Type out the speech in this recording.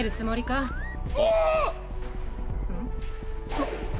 あっ。